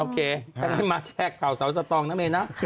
โอเคให้มาแชกข่าวเสาสตองนะเมน่า